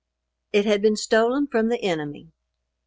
It had been stolen from the enemy.